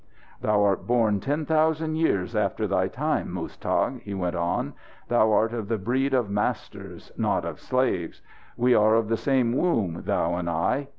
"Thou art born ten thousand years after thy time, Muztagh," he went on. "Thou art of the breed of masters, not of slaves! We are of the same womb, thou and I.